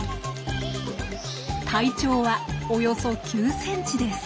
体長はおよそ９ｃｍです。